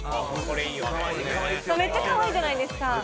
「これめっちゃ可愛いじゃないですか」